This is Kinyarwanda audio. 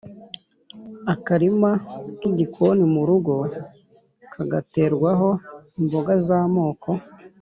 akarima k’igikoni mu rugo kagaterwaho imboga z’amoko